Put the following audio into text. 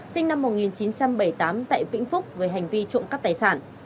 sinh năm một nghìn chín trăm bảy mươi tám tại vĩnh phúc về hành vi trộm cắp tài sản